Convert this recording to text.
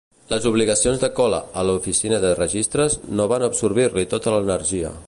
Les obligacions de Cole a l'oficina de registres no van absorbir-li tota l'energia.